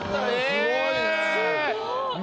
すごいね。